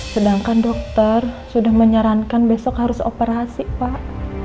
sedangkan dokter sudah menyarankan besok harus operasi pak